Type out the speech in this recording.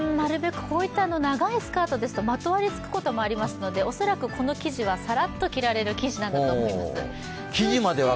こういった長いスカートですと、まとわりつくこともありますので、恐らくこの生地は、さらっと着られる生地なんだと思います。